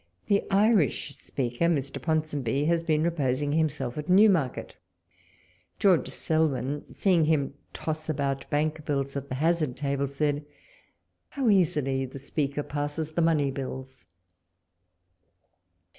The Irish Speaker Mr. Ponsonby has been reposinrj himself at Ncn'markct : George Selwyn, seeing him toss about bank bills at the hazard table said, " How easily the Speaker passes the money bills